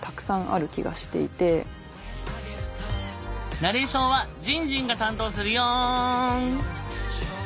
ナレーションはじんじんが担当するよ！